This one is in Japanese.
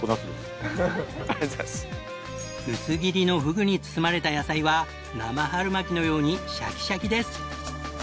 薄切りのフグに包まれた野菜は生春巻きのようにシャキシャキです。